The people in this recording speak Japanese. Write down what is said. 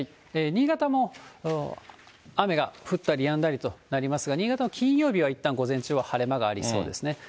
新潟も雨が降ったりやんだりとなりますが、新潟の金曜日はいったん午前中は晴れ間がありそうですね。